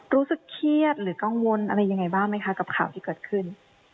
รู้สึกเครียดหรือกังวลอะไรยังไงบ้างไหมคะกับข่าวที่เกิดขึ้น